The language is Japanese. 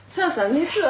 熱は？